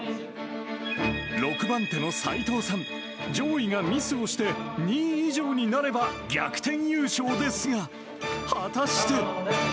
６番手の齋藤さん、上位がミスをして、２位以上になれば逆転優勝ですが、果たして？